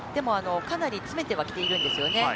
かなり詰めてはきているんですよね。